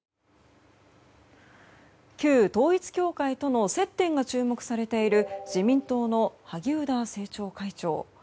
旧統一教会との接点が注目されている自民党の萩生田政調会長。